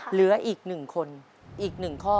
เหลืออีก๑คนอีก๑ข้อ